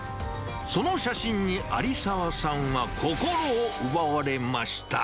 その写真に有澤さんは心を奪われました。